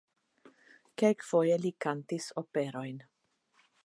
Kelkfoje li kantis operojn.